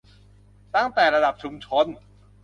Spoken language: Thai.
ตั้งแต่ระดับชุมชน